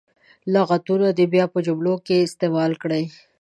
لغتونه دې بیا په جملو کې استعمال کړي.